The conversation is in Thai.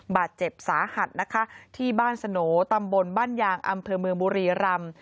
บาดเจ็บสาหัสนะคะที่บ้านสโหนตำบลบ้านยางอำเภอเมืองบุรีรำ